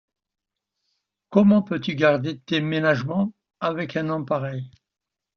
Comment peux-tu garder des ménagements avec un homme pareil?